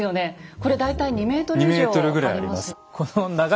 これ大体２ｍ以上あります。